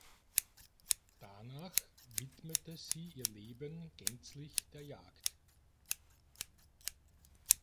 Danach widmete sie ihr Leben gänzlich der Jagd.